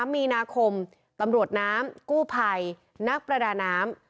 มีนาคมตำรวจน้ำกู้ภัยนักประดาน้ำ